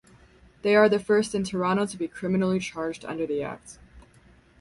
They are the first in Toronto to be criminally charged under the act.